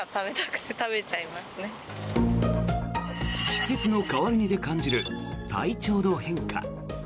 季節の変わり目で感じる体調の変化。